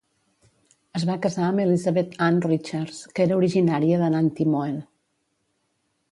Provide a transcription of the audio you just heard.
Es va casar amb Elizabeth Ann Richards, que era originària de Nantymoel.